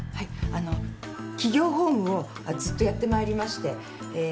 あの企業法務をずっとやって参りましてえー。